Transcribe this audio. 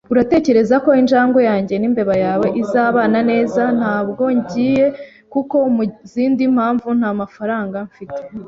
Uratekereza ko injangwe yanjye nimbeba yawe izabana neza? Ntabwo ngiye, kuko, mu zindi mpamvu, nta mafaranga mfite.